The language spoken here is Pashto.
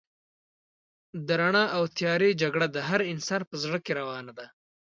د رڼا او تيارې جګړه د هر انسان په زړه کې روانه ده.